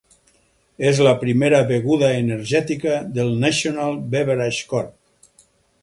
És la primera beguda energètica de National Beverage Corp.